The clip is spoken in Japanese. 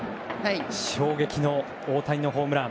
衝撃の大谷のホームラン。